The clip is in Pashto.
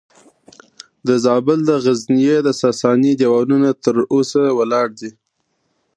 د زابل د غزنیې د ساساني دیوالونه تر اوسه ولاړ دي